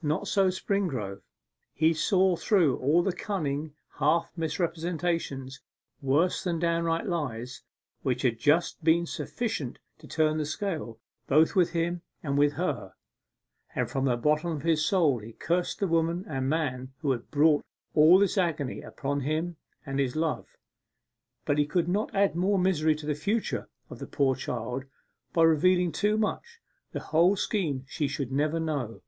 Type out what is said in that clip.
Not so Springrove. He saw through all the cunning half misrepresentations worse than downright lies which had just been sufficient to turn the scale both with him and with her; and from the bottom of his soul he cursed the woman and man who had brought all this agony upon him and his Love. But he could not add more misery to the future of the poor child by revealing too much. The whole scheme she should never know.